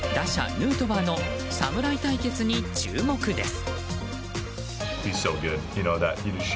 ヌートバーの侍対決に注目です。